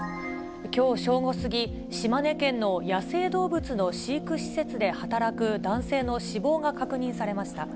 きょう正午過ぎ、島根県の野生動物の飼育施設で働く男性の死亡が確認されました。